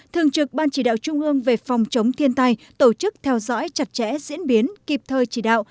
thường trực ban chỉ đạo trung ương về phòng chống thiên tai tổ chức theo dõi chặt chẽ diễn biến kịp thời chỉ đạo